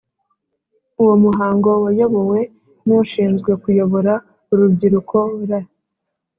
uwo muhango wayobowe n’ushinzwe kuyobora urubyiruko r